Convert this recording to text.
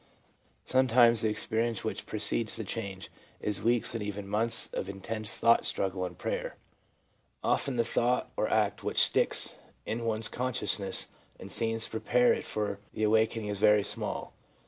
Sometimes the experience which precedes the change is weeks and even months of intensest thought struggle and prayer. Often the thought or act which sticks in one's conscious CONSCIOUS AND SUB CONSCIOUS ELEMENTS 107 ness and seems to prepare it for the awakening is very small.